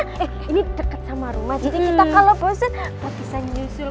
eh ini deket sama rumah jadi kita kalo bosen gak bisa nyusul